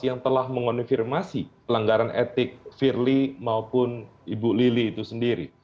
yang telah mengonfirmasi pelanggaran etik firly maupun ibu lili itu sendiri